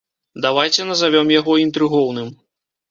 Давайце назавём яго інтрыгоўным.